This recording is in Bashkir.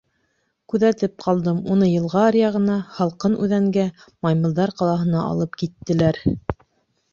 Күҙәтеп ҡалдым, уны йылға аръяғына — Һалҡын Үҙәнгә, маймылдар ҡалаһына алып киттеләр.